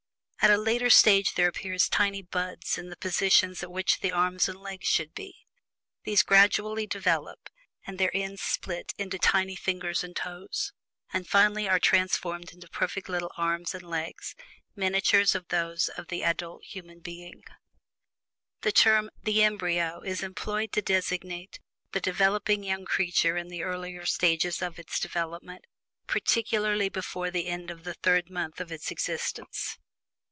At a later stage there appear tiny "buds" in the positions at which the arms and legs should be; these gradually develop, and their ends split into tiny fingers and toes, and finally are transformed into perfect little arms and legs, miniatures of those of the adult human being. The term "the embryo" is employed to designate the developing young creature in the earlier stages of its development, particularly before the end of the third month of its existence.